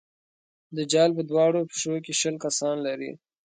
دجال په دواړو پښو کې شل کسان لري.